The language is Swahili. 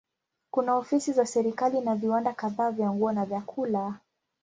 Kuna ofisi za serikali na viwanda kadhaa vya nguo na vyakula.